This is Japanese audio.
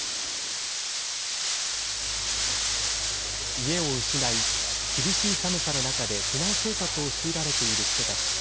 家を失い厳しい寒さの中で避難生活を強いられている人たち。